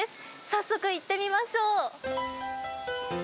早速行ってみましょう。